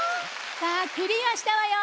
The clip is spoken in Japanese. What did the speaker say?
さあクリアしたわよ！